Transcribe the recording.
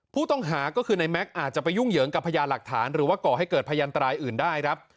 ผู้ต้องหาก็คือในแม็กซ์อาจจะไปยุ่งเหยิงกับพยานหลักฐานหรือว่าก่อให้เกิดพยานตรายอื่นได้ครับ